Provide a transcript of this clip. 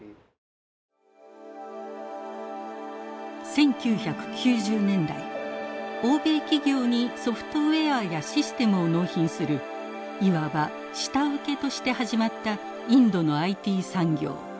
１９９０年代欧米企業にソフトウエアやシステムを納品するいわば下請けとして始まったインドのＩＴ産業。